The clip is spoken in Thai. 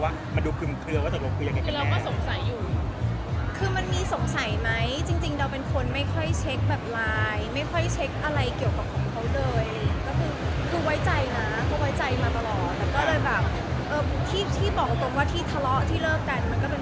คุณค่ะคุณค่ะคุณค่ะคุณค่ะคุณค่ะคุณค่ะคุณค่ะคุณค่ะคุณค่ะคุณค่ะคุณค่ะคุณค่ะคุณค่ะคุณค่ะคุณค่ะคุณค่ะคุณค่ะคุณค่ะคุณค่ะคุณค่ะคุณค่ะคุณค่ะคุณค่ะคุณค่ะคุณค่ะคุณค่ะคุณค่ะคุณค่ะคุณค่ะคุณค่ะคุณค่ะคุณค